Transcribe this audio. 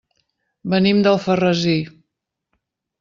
Venim d'Alfarrasí.